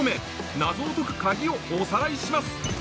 謎を解くカギをおさらいします